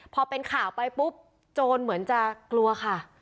พอเป็นข่าวไปปุ๊บโจรเหมือนจะกลัวค่ะ